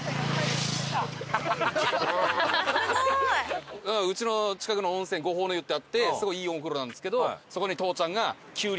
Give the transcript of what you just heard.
すごい！うちの近くの温泉五峰の湯ってあってすごいいいお風呂なんですけど。